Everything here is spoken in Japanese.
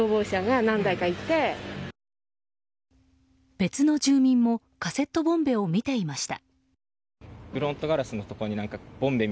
別の住民もカセットボンベを見ていました。